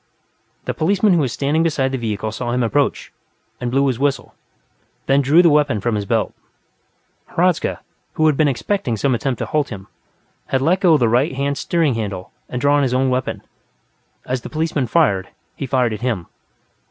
The policeman who was standing beside the vehicle saw him approach, and blew his whistle, then drew the weapon from his belt. Hradzka, who had been expecting some attempt to halt him, had let go the right hand steering handle and drawn his own weapon; as the policeman drew, he fired at him.